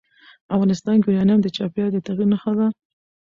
افغانستان کې یورانیم د چاپېریال د تغیر نښه ده.